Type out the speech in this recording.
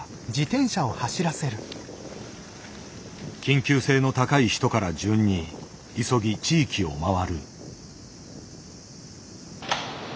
緊急性の高い人から順に急ぎ地域を回る。